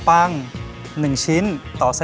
อ้าทอะ